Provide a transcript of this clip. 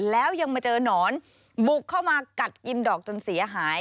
แล้วยังมาเจอหนอนบุกเข้ามากัดกินดอกจนเสียหาย